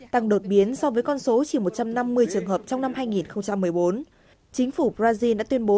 tăng đột biến so với con số chỉ một trăm năm mươi trường hợp trong năm hai nghìn một mươi bốn chính phủ brazil đã tuyên bố